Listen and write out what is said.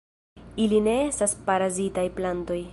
Ili ne estas parazitaj plantoj.